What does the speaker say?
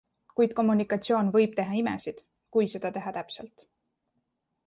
Kuid kommunikatsioon võib teha imesid, kui seda teha täpselt.